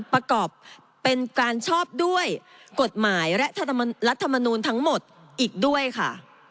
ประกอบเป็นการชอบด้วยกฎหมายและรัฐมนูลทั้งหมดอีกด้วยค่ะ